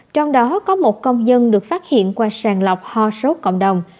trong đó có một công dân được phát hiện qua sàn lọc ho số cộng đồng